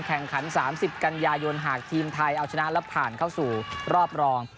แข่งขัน๓๐กันยายนหากทีมไทยเอาชนะแล้วผ่านเข้าสู่รอบรอง